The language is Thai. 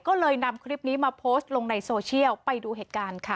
ก็เลยนำคลิปนี้มาโพสต์ลงในโซเชียลไปดูเหตุการณ์ค่ะ